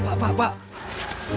pak pak pak